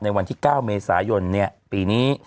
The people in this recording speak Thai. วันที่๙เมษายนปีนี้